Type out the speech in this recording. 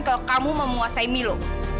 kalau kamu memuasai milo